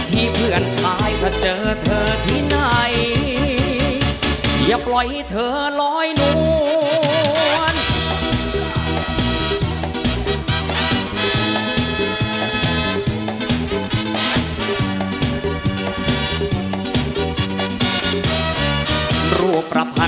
ขอบคุณมากครับ